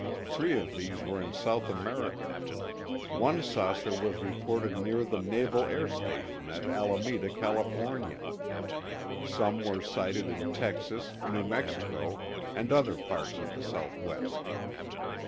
Three of these were in South America. One saucer was reported near the naval air station at Alameda, California. Some were sighted in Texas, New Mexico, and other parts of the Southwest.